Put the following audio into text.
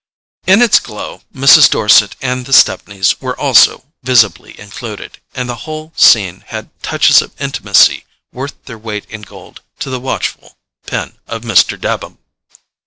In its glow Mrs. Dorset and the Stepneys were also visibly included, and the whole scene had touches of intimacy worth their weight in gold to the watchful pen of Mr. Dabham.